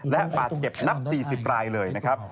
และบาดเจ็บนับ๔๐รายเลยนะครับ